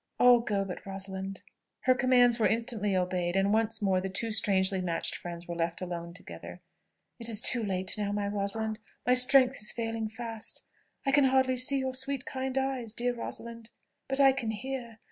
All go, but Rosalind." Her commands were instantly obeyed, and once more the two strangely matched friends were left alone together. "It is too late now, my Rosalind! My strength is failing fast. I can hardly see your sweet kind eyes, dear Rosalind! but I can hear.